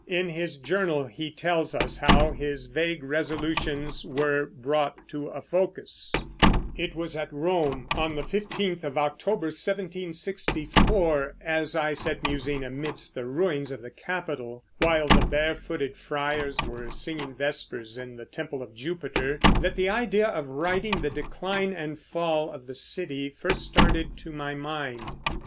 In his Journal he tells us how his vague resolutions were brought to a focus: It was at Rome, on the fifteenth of October, 1764, as I sat musing amidst the ruins of the Capitol, while the barefooted friars were singing vespers in the Temple of Jupiter, that the idea of writing the decline and fall of the city first started to my mind.